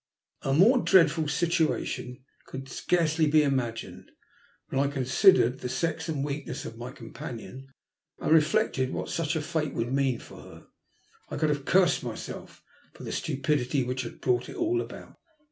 A more dreadful situation could scarcely be imagined, and when I considered the sex and weakness of my companion, and reflected what such a fate would mean for her, I could have cursed myself for the stupidity which had brought it all about.